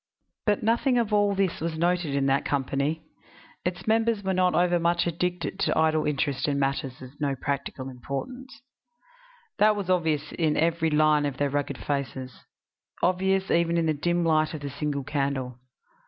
But nothing of all this was noted in that company; its members were not overmuch addicted to idle interest in matters of no practical importance; that was obvious in every line of their rugged faces obvious even in the dim light of the single candle.